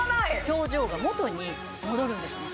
表情が元に戻るんです。